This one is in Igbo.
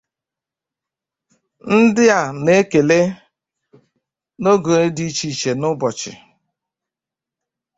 ndị a na-ekele n'oge dị iche iche n'ụbọchị